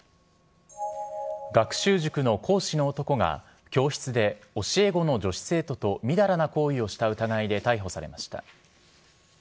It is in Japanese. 学習塾の講師の男が教室で教え子の女子生徒とみだらな行為をした疑いで逮捕されました。